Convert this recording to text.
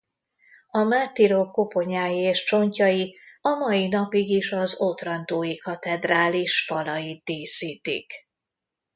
A mártírok koponyái és csontjai a mai napig is az otrantói katedrális falait díszítik.